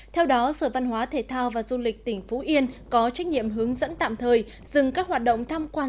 theo đó sở văn hóa thể thao và du lịch tỉnh phú yên có trách nhiệm hướng dẫn tạm thời dừng các hoạt động tham quan